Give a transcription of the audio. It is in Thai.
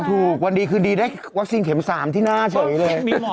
วันดีคืนดีได้วัคซีนเข็ม๓ที่หน้าเฉยเลย